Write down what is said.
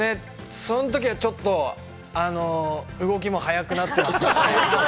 その時はちょっと動きも速くなってましたね。